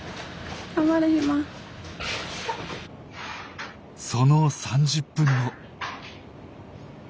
その３０分後。